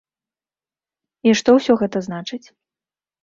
І што ўсё гэта значыць?